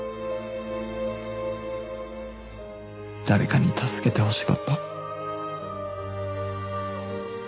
誰かに助けてほしかった